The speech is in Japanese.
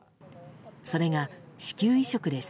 それが、子宮移植です。